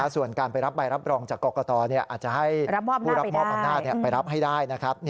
ส่วนการไปรับใบรับรองจากกรกตอาจจะให้ผู้รับมอบอำนาจไปรับให้ได้นะครับ